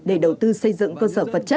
để đầu tư xây dựng cơ sở vật chất